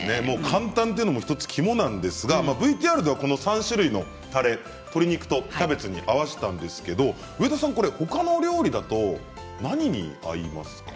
簡単でというのも肝なんですがＶＴＲでは３種類のたれ鶏肉とキャベツに合わせたんですけれど他の料理だと何に合いますか？